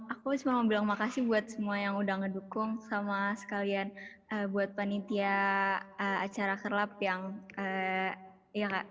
aku cuma mau bilang makasih buat semua yang udah ngedukung sama sekalian buat panitia acara kerlap yang ya kak